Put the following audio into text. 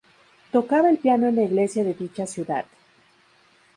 Tocaba el piano en la iglesia de dicha ciudad.